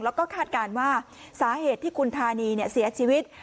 แล้วก็คาดการณ์ว่าสาเหตุที่คุณธานีเสียชีวิต